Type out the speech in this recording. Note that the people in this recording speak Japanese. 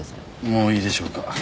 もういいでしょうか？